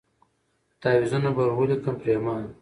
تعویذونه به ور ولیکم پرېمانه